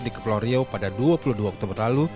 di kepulauan riau pada dua puluh dua oktober lalu